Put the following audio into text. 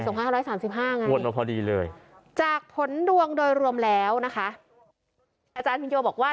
มี๒๕๓๕อันนี้จากผลดวงโดยรวมแล้วนะคะอาจารย์พิมพ์โยบอกว่า